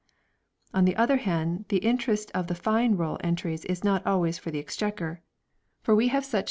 On the other hand, the interest of Fine Roll entries is not always for the Exchequer ; for we have such 1 "Rot.